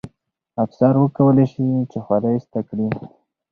افسر کولای سي چې خولۍ ایسته کړي.